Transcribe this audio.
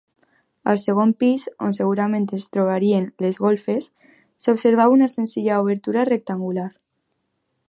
Al segon pis, on segurament es trobarien les golfes, s'observa una senzilla obertura rectangular.